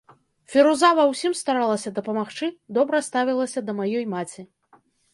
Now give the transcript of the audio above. Фіруза ва ўсім старалася дапамагчы, добра ставілася да маёй маці.